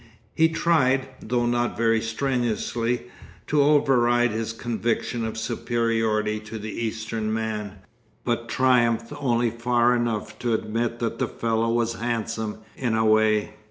He tried, though not very strenuously, to override his conviction of superiority to the Eastern man, but triumphed only far enough to admit that the fellow was handsome in a way.